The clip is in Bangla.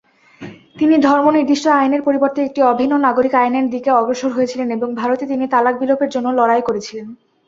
তিনি ধর্ম নির্দিষ্ট আইনের পরিবর্তে একটি অভিন্ন নাগরিক আইনের দিকে অগ্রসর হয়েছিলেন এবং ভারতে তিন তালাক বিলোপের জন্য লড়াই করেছিলেন।